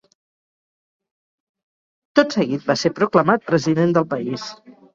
Tot seguit va ser proclamat president del país.